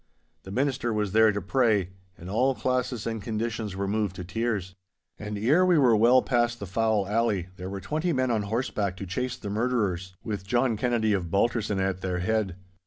The minister was there to pray, and all classes and conditions were moved to tears. And ere we were well past the Foul Alley there were twenty men on horseback to chase the murderers, with John Kennedy of Balterson at their head.